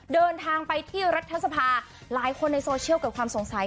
เดินทางไปที่รัฐสภาหลายคนในโซเชียลเกิดความสงสัย